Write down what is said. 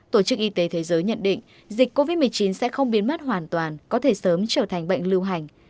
tổ chức y tế thế giới nhận định dịch covid một mươi chín sẽ không biến mất hoàn toàn có thể sớm trở thành bệnh lưu hành